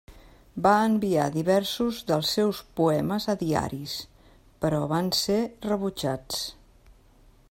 Va enviar diversos dels seus poemes a diaris, però van ser rebutjats.